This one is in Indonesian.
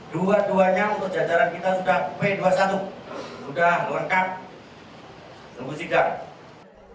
dua duanya untuk jajaran kita sudah p dua puluh satu sudah lengkap menunggu sidang